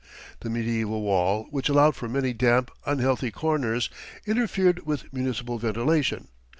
The medieval wall, which allowed for many damp, unhealthy corners, interfered with municipal ventilation.